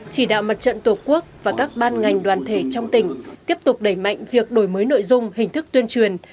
chỉ đạo mặt trận tổ quốc và các ban ngành đoàn thể trong tỉnh tiếp tục đẩy mạnh việc đổi mới nội dung hình thức tuyên truyền